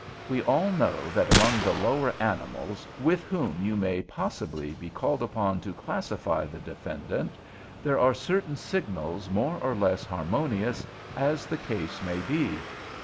We all know that among the lower animals, with whom you may possibly be called upon to classify the defendant, there are certain signals more or less harmonious, as the case may be.